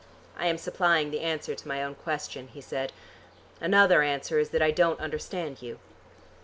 "I am supplying the answer to my own question," he said. "Another answer is that I don't understand you."